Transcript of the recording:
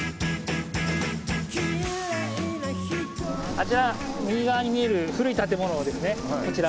あちら右側に見える古い建物ですねこちら。